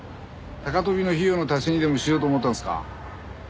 高飛びの費用の足しにでもしようと思ったんですか？